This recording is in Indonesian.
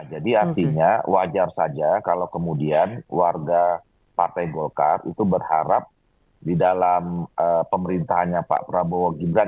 jadi artinya wajar saja kalau kemudian warga partai golkar itu berharap di dalam pemerintahnya pak prabowo gibran